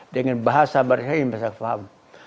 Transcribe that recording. dengan bahasa bahasa yang bisa kita paham